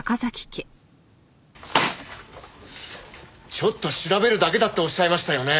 ちょっと調べるだけだっておっしゃいましたよね？